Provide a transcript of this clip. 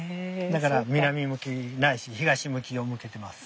だから南向きないし東向きを向けてます。